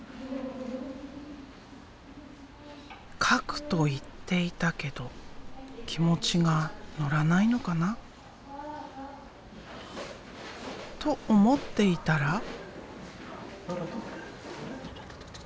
描くと言っていたけど気持ちが乗らないのかなと思っていたら。